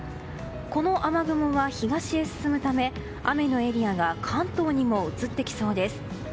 この雨雲は東へ進むため雨のエリアが関東にも移ってきそうです。